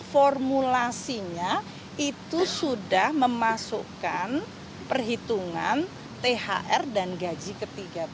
formulasinya itu sudah memasukkan perhitungan thr dan gaji ke tiga belas